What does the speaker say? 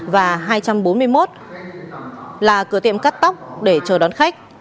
và hai trăm bốn mươi một là cửa tiệm cắt tóc để chờ đón khách